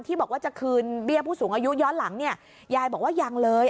บอกว่าจะคืนเบี้ยผู้สูงอายุย้อนหลังเนี่ยยายบอกว่ายังเลย